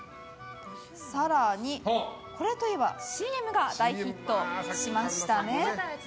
更に、これといえばＣＭが大ヒットしましたね。